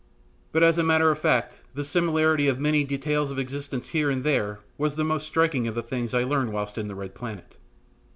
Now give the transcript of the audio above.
But as a matter of fact the similarity of many details of existence here and there was the most striking of the things I learned whilst in the red planet.